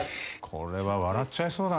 「これは笑っちゃいそう」